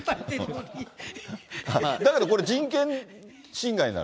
だけどこれ、人権侵害になる？